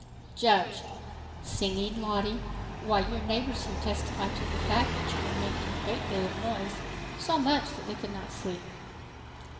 JUDGE: "Singing, Lottie? Why your neighbors here testify to the fact that you were making a great deal of noise—so much that they could not sleep."